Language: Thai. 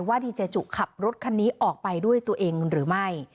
ดีเจจุขับรถคันนี้ออกไปด้วยตัวเองหรือไม่